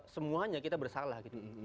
semuanya kita bersalah